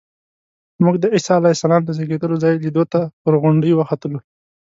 موږ د عیسی علیه السلام د زېږېدلو ځای لیدو ته پر غونډۍ وختلو.